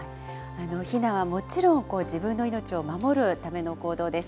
避難はもちろん自分の命を守るための行動です。